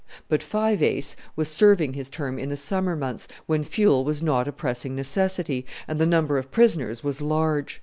But Five Ace was serving his term in the summer months, when fuel was not a pressing necessity, and the number of prisoners was large.